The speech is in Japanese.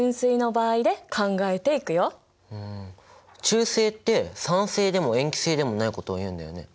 中性って酸性でも塩基性でもないことをいうんだよね？